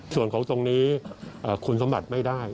ส่วนของตรงนี้คุณสมบัติไม่ได้